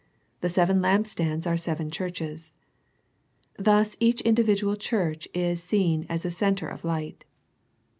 " The seven lampstands are seven churches." Thus each individual church is seen as a centre of light.